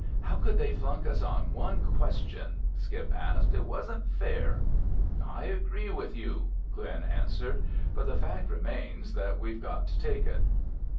"How could they flunk us on one question?" Skip asked. "It wasn't fair." "I agree with you," Glen answered, "but the fact remains that we've got to take it."